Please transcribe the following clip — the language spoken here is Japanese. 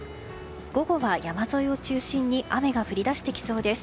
午後は山沿いを中心に雨が降り出してきそうです。